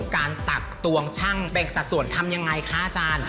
การตักตวงชั่งแบ่งสะสวนทำยังไงค่าจาน